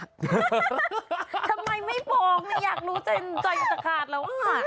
ทำไมไม่บอกอยากรู้ใจจะขาดแล้ววะ